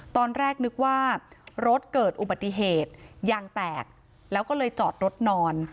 ตอนแรกนึกว่ารถเกิดอุบัติเหตุยางแตกแล้วก็เลยจอดรถนอน